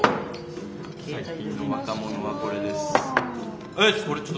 最近の若者はこれです。